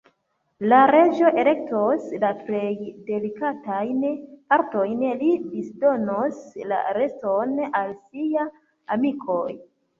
La Reĝo elektos la plej delikatajn partojn; li disdonos la reston al siaj amikoj.